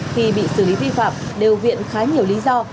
khi bị xử lý vi phạm đều viện khá nhiều lý do